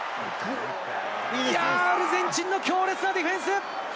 いやー、アルゼンチンの強烈なディフェンス。